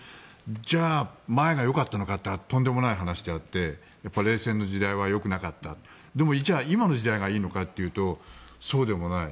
じゃあ前がよかったのかというととんでもない話であって冷戦の時代はよくなかったでも今の時代がいいのかというとそうでもない。